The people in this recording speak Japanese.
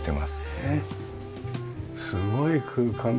すごい空間だ。